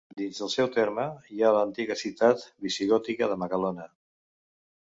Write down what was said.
Dins del seu terme hi ha l'antiga ciutat visigòtica de Magalona.